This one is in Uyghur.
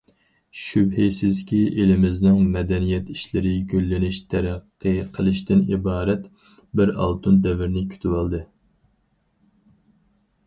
شۈبھىسىزكى، ئېلىمىزنىڭ مەدەنىيەت ئىشلىرى گۈللىنىش، تەرەققىي قىلىشتىن ئىبارەت بىر ئالتۇن دەۋرنى كۈتۈۋالدى.